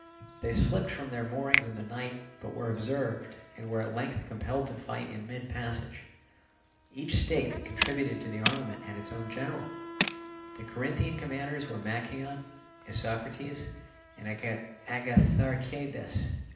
They slipped from their moorings in the night, but were observed, and were at length compelled to fight in mid passage. Each state that contributed to the armament had its own general; the Corinthian commanders were Machaon, Isocrates, and Agatharchidas.